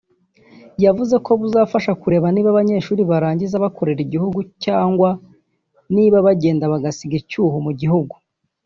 yavuze ko buzafasha kureba niba abanyeshuri barangiza bakorera igihugu cyangwa niba bagenda bagasiga icyuho mu gihugu